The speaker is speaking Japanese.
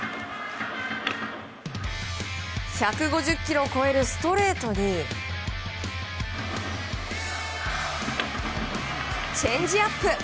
１５０キロを超えるストレートにチェンジアップ。